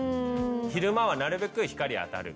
昼間はなるべく光あたる。